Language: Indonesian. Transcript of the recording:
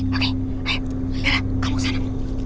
ayo indra kamu kesana